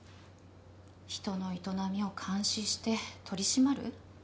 人の営みを監視して取り締まる。